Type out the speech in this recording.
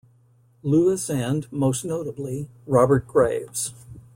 Lewis and, most notably, Robert Graves.